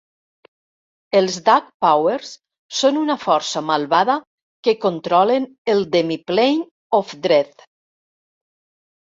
Els Dark Powers són una força malvada que controlen el Demiplane of Dread.